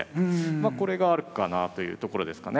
まこれがあるかなというところですかね。